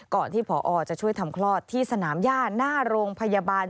ก่อนที่ผอจะช่วยทำคลอดที่สนามย่าหน้าโรงพยาบาล